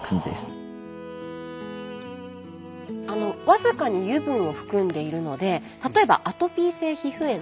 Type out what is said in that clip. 僅かに油分を含んでいるので例えばアトピー性皮膚炎。